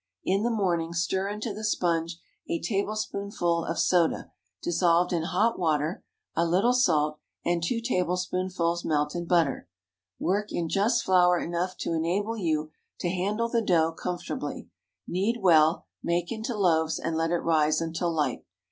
In the morning, stir into the sponge a tablespoonful of soda, dissolved in hot water, a little salt, and two tablespoonfuls melted butter. Work in just flour enough to enable you to handle the dough comfortably; knead well, make into loaves, and let it rise until light.